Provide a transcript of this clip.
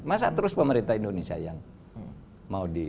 masa terus pemerintah indonesia yang mau di